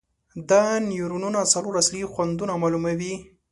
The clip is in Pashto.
دا نیورونونه څلور اصلي خوندونه معلوموي.